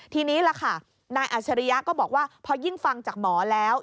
ทีนี้ล่ะค่ะนายอัชริยะก็บอกว่าพอยิ่งฟังจากหมอแล้ว